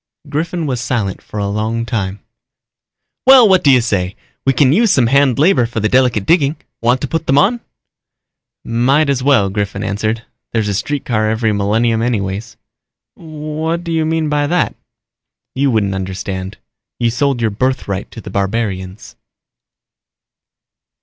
Griffin was silent for a long time. "Well, what do you say? We can use some hand labor for the delicate digging. Want to put them on?" "Might as well." Griffin answered. "There's a streetcar every millennium anyway." "What do you mean by that?" "You wouldn't understand. You sold your birthright to the barbarians."